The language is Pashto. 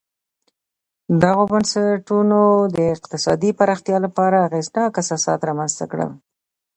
دغو بنسټونو د اقتصادي پراختیا لپاره اغېزناک اساسات رامنځته کړل